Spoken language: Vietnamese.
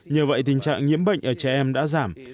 nhờ vậy tình trạng nhiễm bệnh ở trẻ em đã giảm